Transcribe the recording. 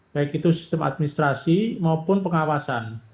baik itu sistem administrasi maupun pengawasan